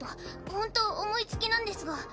ほんと思いつきなんですが。